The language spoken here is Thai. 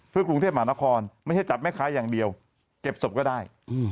เพื่อกรุงเทพหมานครไม่ใช่จับแม่ค้าอย่างเดียวเก็บศพก็ได้